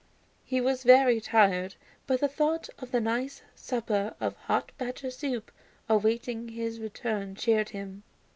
He was very tired, but the thought of the nice supper of hot badger soup awaiting his return cheered him.